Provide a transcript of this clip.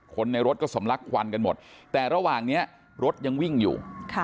คนในรถก็สำลักควันกันหมดแต่ระหว่างนี้รถยังวิ่งอยู่